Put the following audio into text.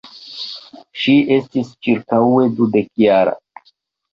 Ŝi estis ĉirkaŭe dudekjara.